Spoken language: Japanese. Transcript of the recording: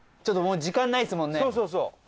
ちょっともう時間ないですもんね。